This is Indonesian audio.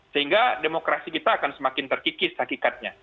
sehingga demokrasi kita akan semakin terkikis hakikatnya